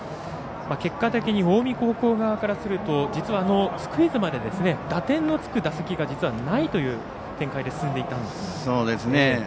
結果的に近江高校側からするとスクイズまで打点のつく打席が実はないという展開で進んでいったんですが。